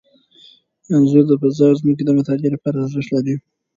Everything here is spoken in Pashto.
انځور د فضا او ځمکې د مطالعې لپاره ارزښت لري.